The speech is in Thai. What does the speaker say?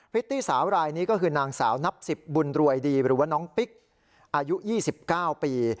ิตตี้สาวรายนี้ก็คือนางสาวนับ๑๐บุญรวยดีหรือว่าน้องปิ๊กอายุ๒๙ปี